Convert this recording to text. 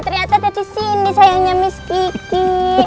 ternyata ada disini sayangnya miss kiki